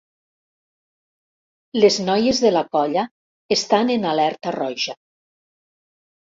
Les noies de la colla estan en alerta roja.